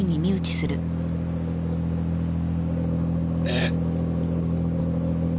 えっ？